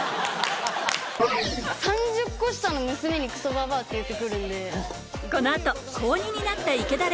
３０コ下の娘にクソばばあって言って来るんで。